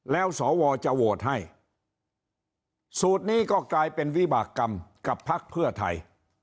แล้วสจะให้สูตรนี้ก็กลายเป็นวิบากกรรมกับพภไทย